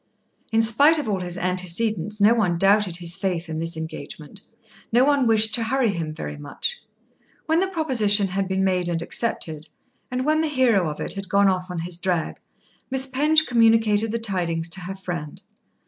In spite of all his antecedents no one doubted his faith in this engagement; no one wished to hurry him very much. When the proposition had been made and accepted, and when the hero of it had gone off on his drag, Miss Penge communicated the tidings to her friend.